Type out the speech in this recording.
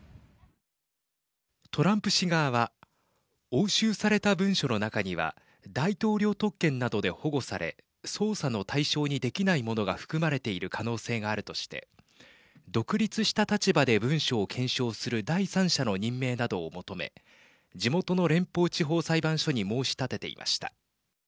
トランプ氏側は押収された文書の中には大統領特権などで保護され捜査の対象にできないものが含まれている可能性があるとして独立した立場で文書を検証する第三者の任命などを求め地元の連邦地方裁判所に申し立てていました。